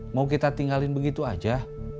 mau kita tinggalin begitu aja